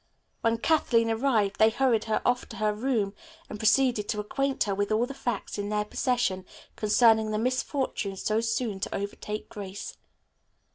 When Kathleen arrived they hurried her off to her room and proceeded to acquaint her with all the facts in their possession concerning the misfortune so soon to overtake Grace.